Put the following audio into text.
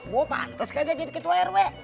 gue pantes kagak jadi ketua rw